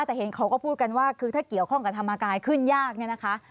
แต่เห็นเขาก็พูดกันว่าคือถ้าเกี่ยวข้องกับธรรมกายขึ้นยากเนี่ยนะคะ